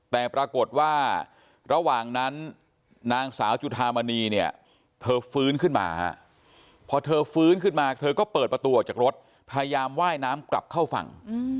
แต่ปรากฏว่าระหว่างนั้นนางสาวจุธามณีเนี่ยเธอฟื้นขึ้นมาพอเธอฟื้นขึ้นมาเธอก็เปิดประตูออกจากรถพยายามว่ายน้ำกลับเข้าฝั่ง